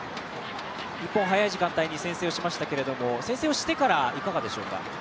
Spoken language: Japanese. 日本、早い時間帯に先制をしましたけれども先制をしてからいかがでしょうか？